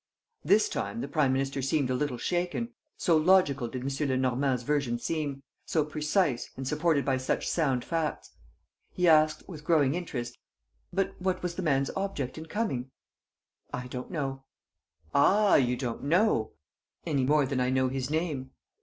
This time the prime minister seemed a little shaken, so logical did M. Lenormand's version seem, so precise and supported by such sound facts. He asked, with growing interest: "But what was the man's object in coming?" "I don't know." "Ah, you don't know!" "Any more than I know his name."